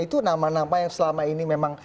itu nama nama yang selama ini memang